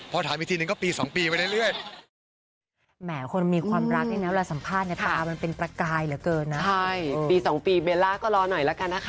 พอถามอีกทีหนึ่งก็ปี๒ปีไปเรื่อย